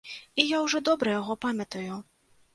І я ўжо добра яго памятаю.